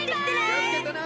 きをつけてな！